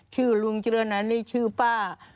ชื่อลุงเจริญันนี่ชื่อป้า